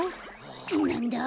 なんだ？